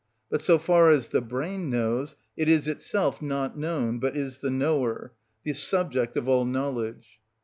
But so far as the brain knows, it is itself not known, but is the knower, the subject of all knowledge.